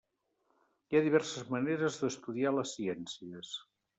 Hi ha diverses maneres d'estudiar les ciències.